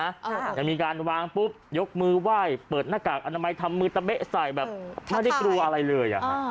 อ่าเขาเห็นแล้วนะตอนนี้มีการไว้ว้ายยกมือว่ายเปิดหน้ากากอธิบายทำมาไม่ได้เตรียมอะไรเลย